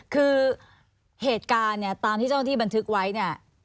คือเหตุการณ์เนี่ยตามที่เจ้าที่บันทึกไว้เนี่ย